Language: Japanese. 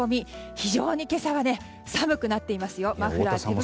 非常に今朝は寒くなっていますよ。